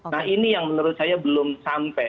nah ini yang menurut saya belum sampai